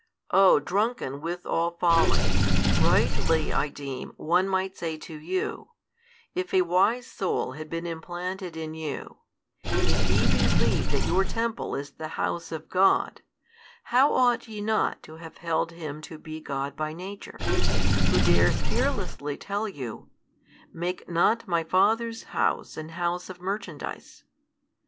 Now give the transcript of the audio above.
O drunken with all folly, rightly, I deem, one might say to you, if a wise soul had been implanted in you, if ye believe that your Temple is the House of God, how ought ye not to have held Him to be God by Nature, Who dares fearlessly tell you, Make not My Father's House an House of merchandise?